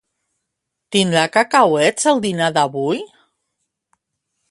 Tindrà cacauets el dinar d'avui?